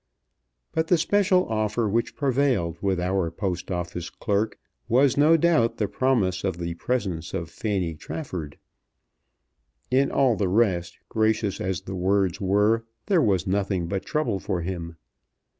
But the special offer which prevailed with our Post Office clerk was no doubt the promise of the presence of Fanny Trafford. In all the rest, gracious as the words were, there was nothing but trouble for him.